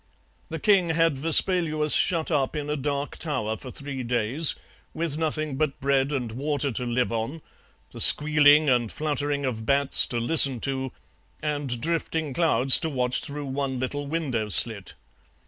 "The king had Vespaluus shut up in a dark tower for three days, with nothing but bread and water to live on, the squealing and fluttering of bats to listen to, and drifting clouds to watch through one little window slit.